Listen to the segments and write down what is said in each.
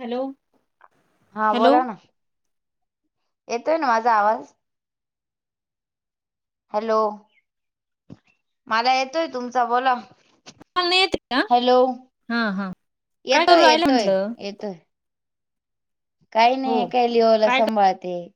Hello हा hello बोला ना येतोय ना माझा आवाज? हॅलो मला येतोय तुमचा बोला. मला नाही येते का हॅलो हा हा काय करू येतोय राहिलं येतोय म्हंटलं येतोय. काही हो नाही कँलीवोला काय कर- सांभाळतेय.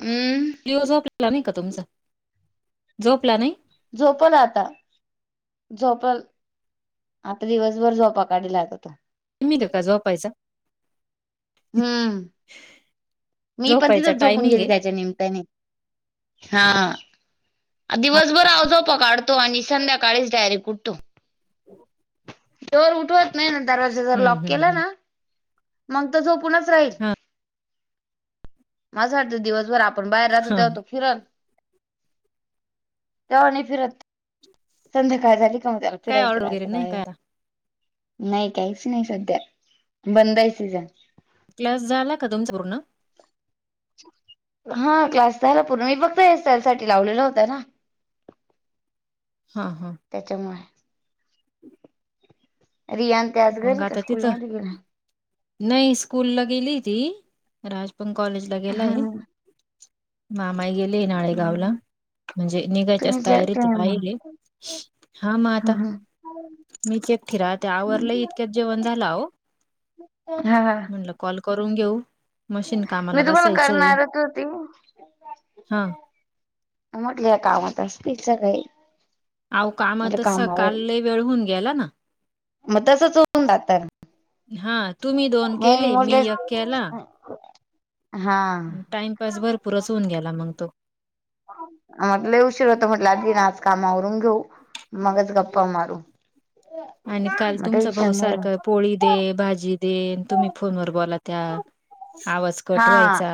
हमं. लिओ झोपला नाही का तुमचा झोपला नाही? झोपला आता. झोपल आता दिवसभर झोपा काढलात आता. मिल का झोपायचा? हम्म ह. [unintelligible] मी पण तिथंच झोपून गेली त्याच्या निम्ताने हा. हा दिवसभर आव जोपा काढतो आणि संध्याकाळीच डायरेक्ट ऊठतो. जोर उठवत नाही ना दरवाजा जर हम्म लॉक हम्म केला हम्म ना मग तर झोपूनच राहील हा माज वाटत दिवसभर आप पण बाहेर राहतो हा तवा तो फिरण तेव्हा आणि फिरत संध्याकाळ झाली का मग त्याला काय फिरायचं ऑर्डर वगैरे राहतं नाही बाहेर. काय नाही काहीच नाही सध्या बंद हाय तिच़़. क्लास झाला का पूर्ण? हा क्लास दला पूर्ण मी फक्त एसटल साठी लावलेला होत ना हा हा. त्याच्यामुळे. रियान ते आज मग घरी का आता तिथं स्कूलमध्ये गेला नाही स्कूलला गेली ती राज पण कॉलेजला गेला हा आहे मामाई गेले आहे नाळेगावला. म्हणजे निघायच्याच तुम्ही तयारी ते मग पाहिले हा मग आता मीच एक ठिरा त्या आवरलाही इतक्यात जेवण झाला हो हा हा म्हणल कॉल करून घेऊ. मशीन मी कामाला तुम्हाला बसायचंय करणारच होती हा म्हटल या कामात असतील सकाळी आओ कामात स काल वेळ होउन गेला ना. म तसंच होउन राहत हा तुम्ही दोन केले, मी म्हटले यक केला. हा. बस भरपुरच गेला मंग तो. हा लई उशीर होत म्हटल ना, आदी आज काम आवरून घेऊ. मगच गप्पा मारु आणि काल तुमचा भाऊ नाही सारखा पोळी दे, भाजी दे आणि तुम्ही फोनवर बोला त्या आवाज कट हा व्हायचा.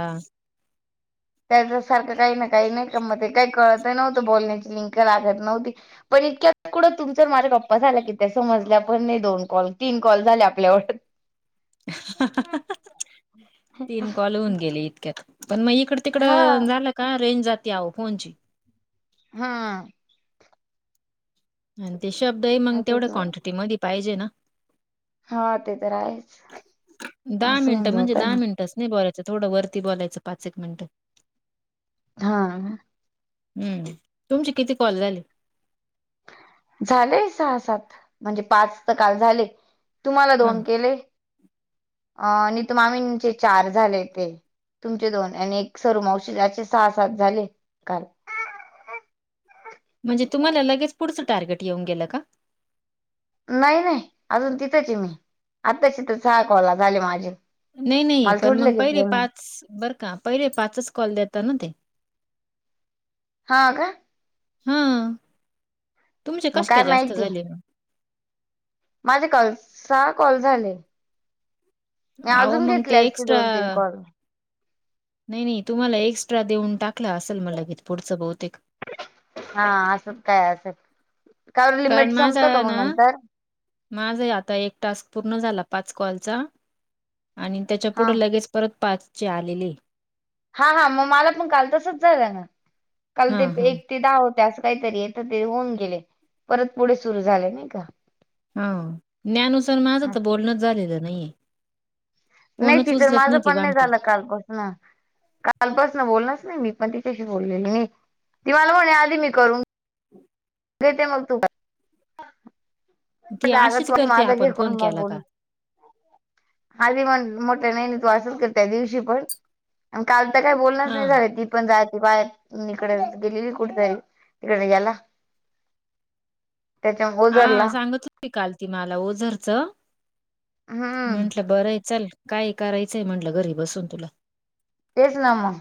त्याच्यासारखं काही ना काही नाही का म ते काही कळत नव्हतं, बोलण्याची लिंक लागत नव्हती. पण इतक्यात कुढं तुमच्या न माझ्या गप्पा झाल्या की त्या समजल्या पण नाही दोन कॉल, तीन कॉल झाले आपल्यावर. तीन कॉल होऊन गेले इतक्यात, पण मग इकड तिकड हा झालं का रेंज जाते आओ फोन ची. हा. आणि ते शब्दही मंग तेवढ्या असंच क्वांटिटी मध्ये पाहिजे ना. हा ते तर आहेच दहा असं होऊन मिनिटं म्हणजे जातं दहा ना. मिनिटच नाही बोलायचं थोड वरती बोलायचं पाच-एक मिनटं. हा. हम्म. तुमचे किती कॉल झाले? झाले सहा-सात म्हणजे पाच तर काल झाले. तुम्हाला हां. दोन केले आणि ते मामींचे चार झाले ते. तुमचे दोन आणि एक सरू मावशी असे सहा-सात झाले काल. म्हणजे तुम्हाला लगेच पुढचं टार्गेट येऊन गेलं का? नाई नाई अजून तिथंचय मी आत्ताशी सहा कॉला झाले माझे. नाई नाई मला पण थोडी मग लगेच पहिले येणार पाच, बरं का पहिले पाचच कॉल देता ना ते. हा का? हा तुमचे मग कशे काय जास्त माहिती झाले ना. माझे काल सा कॉल झाले. मी अहो, अजून मग ते घेतल्यात पुढून तीन कॉल. नाई नाई तुम्हाला एक्स्ट्रा देऊन टाकलं असेल, म लगेच पुढचं बहुतेक. हा असंच काय असेल, का लिमिट संपत का मग नंतर? माझही आता एक टास्क पूर्ण झाला पाच कॉलचा आणि त्याच्या हा पुढे लगेच परत पाच चे आलेले. हा हा. मग मला पण काल तसच झालं ना, काल ते हां, हां. एक ते दहा होते असं काहीतरी येतं ते होऊन गेले, परत पुढे सुरू झाले नाही का? हा न्यानु च आन माझं तर असं. बोलणच झालेलं नाहीेये. नाई तिच अन माझं पण नाही झालं काल पण हा काल पसनं ना बोलणच नाई मी पण तिच्याशी बोलली नाई. ती मला म्हणे आदि मी करून देते मग तू [unintelligible] तू ती अशीच आधी करते माझा घे आपण फोन करून मग केला का. बोलू हवी म्हण मोठ नाही असं करते दिवशी पण आणि काल तर काय बोलणच नाही हां, झालं ति पण जरा बाहेर कुणीकड गेलीली कुठेतरी तिकड याला त्याच्या हा ओझरला सांगत होती काल ती मला ओझरच. हम्म म्हंटलं बरंय चल काय करायचंय म्हंटलं घरी बसून तुला. तेच ना म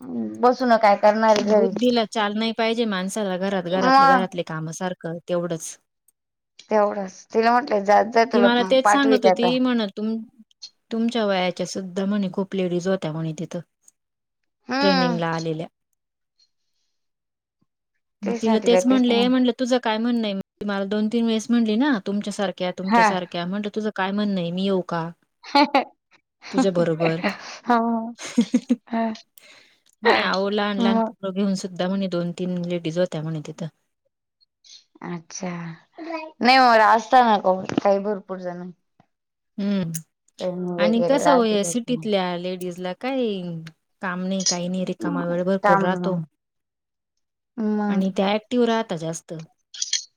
अ बसून काय करणारे घरी बुद्धीला चालना ही पाहिजे, माणसाला घरात मग घरातलं-घरातले काम सारखं तेवढंच तेवढंच तिला म्हटलंय जात जा तुला पाठवीते आता. तुम-तुमच्या वयाच्या सुद्धा म्हणे खूप लेडीज होत्या म्हणे तिथं. हम्म ट्रेनिंग ला आलेल्या. मग तिला तेच म्हणलेय म्हणटलं तुझं काय म्हण नाही मला दोन तीन वेळेस म्हणली ना तुमच्यासारख्या हा तुमसारख्या म्हटलं तुझं काय म्हणय मी येऊ का? तुझ्या बरोबर. हा म्हणे आहो लहान लहान मग पत्र घेऊन सुद्धा म्हणे दोन तीन लेडीज होत्या म्हणे तिथं. अच्छा! नाही [unintelligible] काही भरपूर जन हम्म आणि वगैरे कस हो राहते या त्याच्या सिटीतल्या लेडीजला काय काम नाही काही नाही रिकामा वेळ भरपूर काम राहतो मग आणि त्या [unintelligible] राहता जास्त,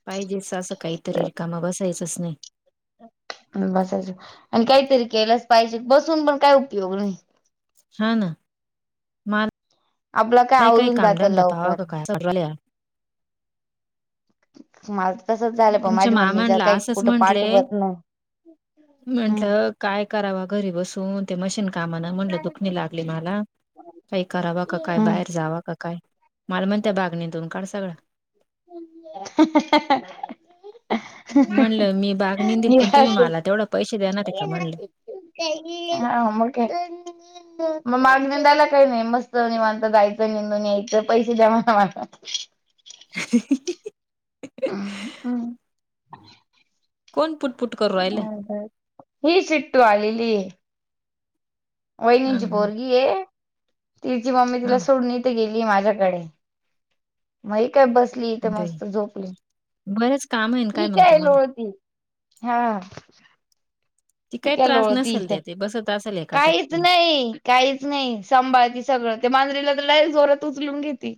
पाहिजे असं काहीतरी कामा बसायचंच नाही. बसायचं आणि काहीतरी केलंच पाहिजे बसून पण काय उपयोग नाही. हा ना. मा आपलं काय आवरून जात पाहावा लवकर. का काय असं वाटू राहिलं यार. [unintelligible] तसच झालं प तुमच्या माझी मम्मी ज मामांला काही असंच कुठं म्हंटले पाठवत नव्ह. हम्. म्हंटलं काय करावा घरी बसून ते मशीन कामा ना म्हटलं दुखणी लागली मला. काही करावा का काय, बाहेर जावा का काय, मालमणत बागणीतून काढ सगळं. [inaudible] म्हणलं मी बाग निेंदल पण तुम्ही मला तेवढा पैसे देणार आहे का म्हणलं. हा मग काय. मग माग नेंदायला काही नाही मस्त निवांत जायचं निेंदून यायचं पैसे द्या [unintelligible] ह. [inaudible] कोण पुुटपुट करू राहिले. मला ही चिट्टू आलेली. हां, वहिनींची हां, पोरगी ये तिची मम्मी तिला हां. सोडणी गेली माझ्याकडे, म ही काय बसली तर बाई मस्त झोपली. बरेच काम आहे ना ही मग काय तुम्हाला? लोळती. हा. ती ही काय त्रास लोळती नसेल इथं दे ते बसत असल एका काहीच ठिकाणी. नाही, काहीच नाही, सांभाळते सगळं ते मांजरीला तर लय जोरात उचलून घेते.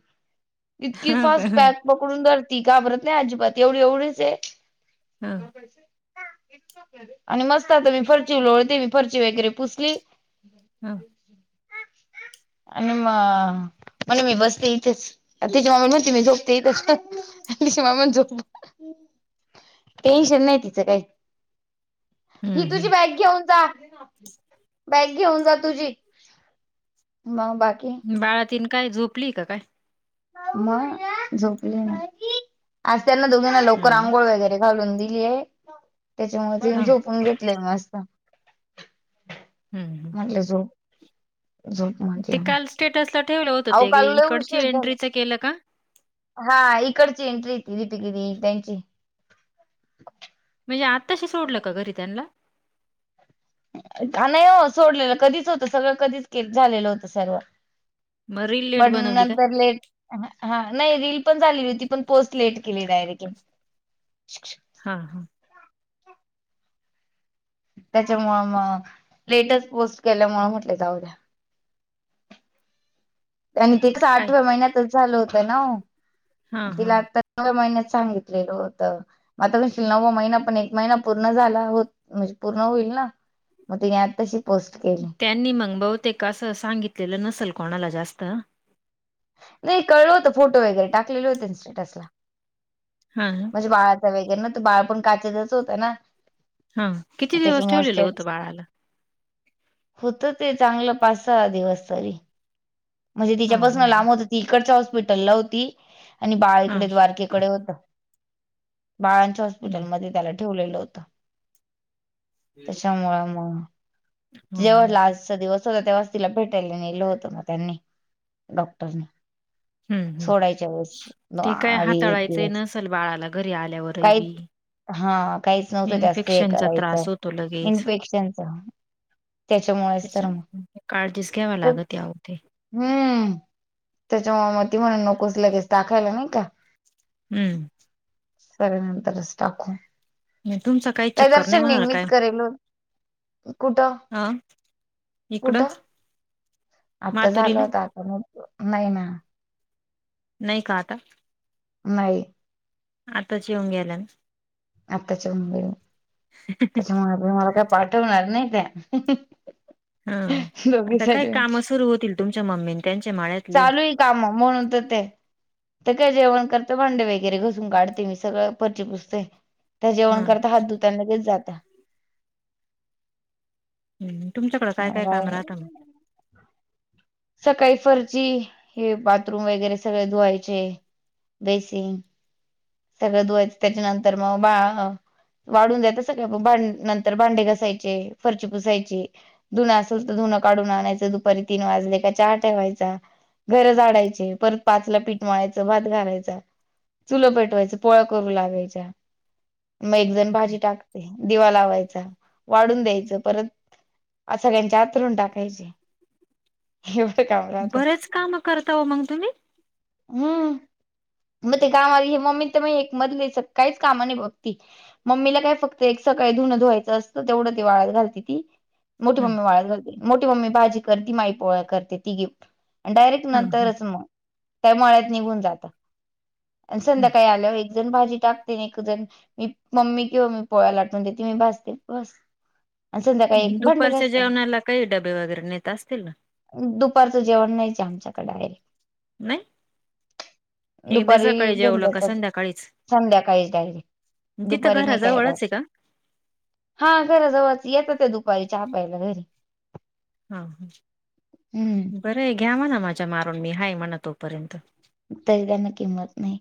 इतकी हां का? फास्ट हां, पॅक पकडून धरती घाबरत नाही अजिबात एवढी एवढीच आहे. हां, आणि मस्त आता मी फर्ची लोळते मी फर्ची वगैरे पुस ती. हा. आणि म [unintelligible] मी बसते इथेच. तिच्या मामा ना म्हणती मी झोपते इथच तिच्या मामा झोप टेन्शन नाही तिचं काही, हं, हि तुझी हं. बॅग घेऊन जा. [inaudible] बॅग घेऊन जा तुझी, मग बाकी. बाळातिनं काय झोपली का काय? मग झोपली नाही. आज त्यांना दोघांना लवकर हां ना. आंघोळ वगैरे घालून दिलीय. त्याच्यामुळे तेनी हां. झोपून घेतलेय मस्त. हम्म. म्हटलं जो झोप ते म्हटलं, काल स्टेटसला ठेवलं होतं आओ ते काल लय इकडची उशीर झाला. एंट्रीचं केलं का? हा इकडची एंट्री [unintelligible] त्यांची. म्हणजे आत्ताशी सोडलं का घरी त्यांना? नाही हो सोडलेलं कधीच होतं सगळं कधीच के झालेलं होतं सर्व. मग रील लेट पण बनवली काय? नंतर लेट हा नाही रील पण झाली होती पण पोस्ट लेट केली डायरेक्ट. हा हां त्याच्यामुळ मग लेटच पोस्ट केल्यामुळे म्हटले जाऊ द्या. आणि त काय? आठव्या महिन्यातच झालं होतं ना हां, तीला हां. आता [unintelligible] महिन्यात सांगितलेलं होत म आता म्हणशील नववा महिना पण एक महिना पूर्ण झाला हो म्हणजे पूर्ण होईल ना. मग तिने आता तशी पोस्ट केली. त्यांनी मग बहुतेक असं सांगितलेलं नसेल कोणाला जास्त. नाही कळलं होत फोटो वगैरे टाकले होते इन्स्टाला. हां बाळाचा वैगेरे ना तर बाळ पण काचेतच होत ना. हा किती दिवस त्याच्यामुळे ठेवलेलं होतं स्टेटस बाळाला? होत ते चांगलं पाच सहा दिवस तरी. म्हणजे हां, हां, तिच्यापासन लांब होत ती इकडच्या हॉस्पिटलला होती. आणि बाळ हां. इकडे द्वारकेकडे होत बाळांच्या हं, हॉस्पिटलमध्ये त्याला ठेवलेलं होत त्याच्यामुळ मग हां. जेव्हा हां. ला आजचा दिवस होता तेव्हा तीला भेटायला नेलं होतं मग त्यांनी. डॉक्टर. हम्म हम्म ते काय आधी एक हाताळायचंय दिवस नसेल बाळाला घरी आल्यावरही काहीच बी. हा काहीच नव्हतं जास्त हे इन्फेक्शनचा करायचं त्रास होतो लगेच. इन्फेक्शनच. त्याच्यामुळेच तर मग त्याच्यामुळे काळजीच घ्यावी लागत या होते. हम्म त्याच्या मुळ मग ती म्हणे नकोच लगेच टाकायला नाही का. हम्म सऱ्यानंतरच टाकू मग तुमचा काही काय चक्कर नाही दर्शन होणार काय? नेहमीच करेल हो. कुठं अ, इकडं कुठं आता झालं मातुरीला? होत आता मग नाही ना. नाही का आता. नाही आताच येऊन गेल्यात आत्ताच येऊन गेल्यात त्याचामुळे मला काय पाठवणार नाही त्या. हा दोघी आता काय साईड काम सुरू होतील तुमच्या मम्मीन त्यांच्या माळ्यातले. चालू आहे काम म्हणून तर ते ते काय जेवण करत भांडे वगैरे घसून काढते मी सगळं फरची पुसते. त्या जेवण हं. करता हात धुतात लगेच जाता. तुमच्याकड काय काय काम राहतं मग. सकाळी फरची हे बाथरूम वगैरे सगळे धुवायचे. बेसिंग सगळं धुवायचं त्याच्यानंतर मग बा वाढून दयायच सगळ्या भां नंतर भांडे घासायचे फरची पुसायची. धुनं असल तर धुनं काडून आणायचं दुपारी तीन वाजले की चहा ठेवायचा घर झाडायचे परत पाच ला पीठ मळायचं भात घालायच. चुलं पेटवायच पोळ्या करू लागायच्या मग एक जण भाजी टाक दिवा लावायचा वाढून द्यायचं परत सगळ्यांचे आतरून टाकायचे. एवढ काम? राहतं बरेच काम करता हो मंग तुम्ही. हम्म मग ते कामा मम्मी तर म एक मधली काहीच काम नाही बघती मम्मीला काय फक्त एक सकाळी धुनं धुवायचं असतं तेवढं ती वाळत घालती ती. मोठी हम्म मम्मी वाळत करते मोठी मम्मी भाजी करते माई पोळा करते तीघे. डायरेक्ट हा हा नंतरच त्या मळ्यात निघून जातं आणि संध्याकाळी आल्यावर जण भाजी टाकते एकजण मी मम्मी किंवा मी पोळ्याला लाटवून देते मी भासते बस. संध्याकाळी हम्म भाडे दुपारच्या घासते जेवणाला काही डबे वगैरे नेत असतील ना दुपारचं जेवण नाहीच आमच्याकडे नाही एकदा दुपारी सकाळी तीन जेवलं चार का तास संध्याकाळीच? संध्याकाळीच तिथं दुपारी नाही काय राहत घराजवळच आहे का? हा खरं जवळच येतं त्या दुपारी चहापाहाला घरी हा हा हम्म बरं घ्या म्हणा माझ्या मारून मी हाय म्हणा तोपर्यंत तरी त्यांना किंमत नाही.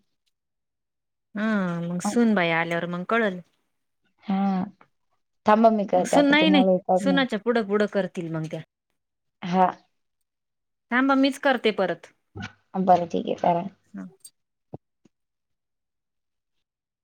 हा मग सून बाई आल्यावर मग कळलं हा थांबा मी मग करते सुन आता नाही नाही तुम्हाला एक सुनाच्या पुढं पुढं करतील मग त्या. हा थांबा मीच करते परत बरं ठीक आहे करा हा